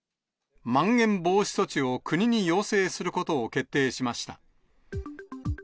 まん延防止措置を国に要請することを決定しました。